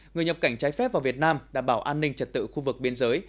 người nhập cảnh trái phép vào việt nam đảm bảo an ninh trật tự khu vực biên giới